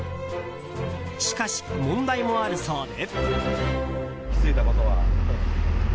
しかし、問題もあるそうで。